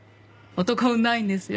男運ないんですよ